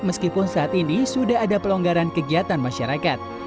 meskipun saat ini sudah ada pelonggaran kegiatan masyarakat